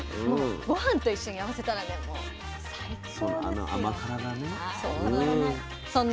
もうごはんと一緒に合わせたらねもう最高ですよ。